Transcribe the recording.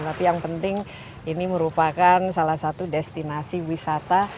tapi yang penting ini merupakan salah satu destinasi wisata